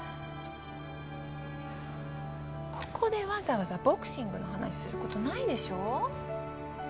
ここでわざわざボクシングの話する事ないでしょ。